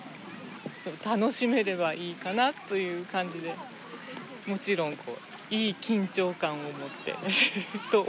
楽しめればいいかなという感じでもちろんいい緊張感を持ってと思っております。